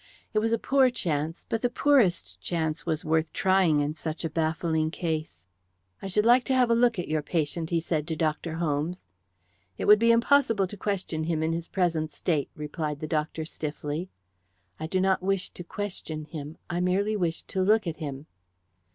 It was a poor chance, but the poorest chance was worth trying in such a baffling case. "I should like to have a look at your patient," he said to Dr. Holmes. "It would be impossible to question him in his present state," replied the doctor stiffly. "I do not wish to question him. I merely wish to look at him."